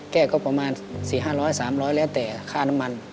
แก้ก็ประมาณ๔๕๐๐๓๐๐แล้วแต่ค่าน้ำมัน